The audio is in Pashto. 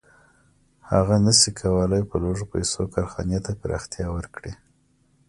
هغه نشي کولی په لږو پیسو کارخانې ته پراختیا ورکړي